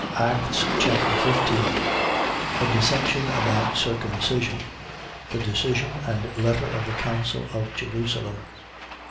Acts Chapter 15 A dissension about circumcision. The decision and letter of the council of Jerusalem.